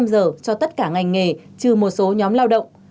năm giờ cho tất cả ngành nghề trừ một số nhóm lao động